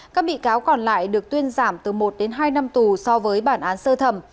các bị cáo còn lại được tuyên giảm từ một đến hai năm tù so với bản án sơ thẩm